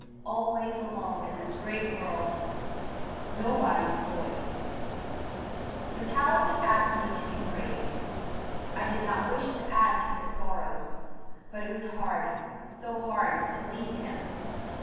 Always alone in this great world! Nobody's boy! Vitalis had asked me to be brave. I did not wish to add to his sorrows, but it was hard, so hard, to leave him.